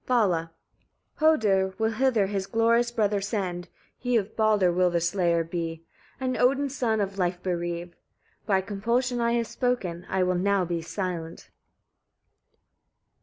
Vala. 14. "Hödr will hither his glorious brother send, he of Baldr will the slayer be, and Odin's son of life bereave. By compulsion I have spoken; I will now be silent."